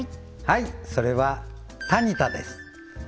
はいそれはタニタです